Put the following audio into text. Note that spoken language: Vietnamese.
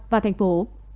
và thành phố